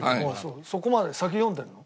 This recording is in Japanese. そこまで先読んでるの？